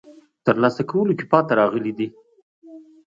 ترلاسه کولو کې پاتې راغلي دي.